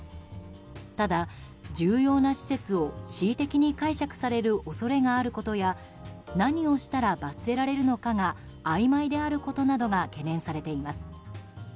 ただ、重要な施設を恣意的に解釈される恐れがあることや何をしたら罰せられるのかがあいまいであることなどが懸念されています。